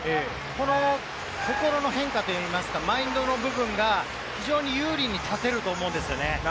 この心の変化というか、マインドの部分が非常に有利に立てると思うんですよね。